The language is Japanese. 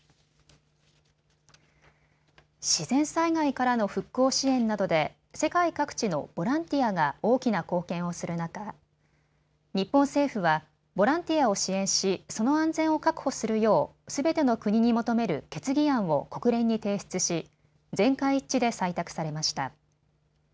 自然災害からの復興支援などで世界各地のボランティアが大きな貢献をする中、日本政府はボランティアを支援しその安全を確保するようすべての国に求める決議案を国連に提出し全会一致で採択されました。